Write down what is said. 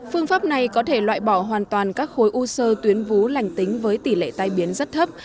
phương pháp này có thể loại bỏ hoàn toàn các khối u sơ tuyến vú lành tính với tỷ lệ tai biến rất thấp